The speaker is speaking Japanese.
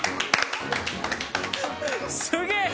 すげえ！